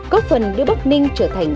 có phần đưa bắc ninh trở thành